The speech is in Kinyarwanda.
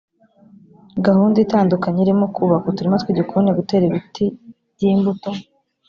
ghunda itandukanye irimo kubaka uturima tw’igikoni gutera ibiti by’imbuto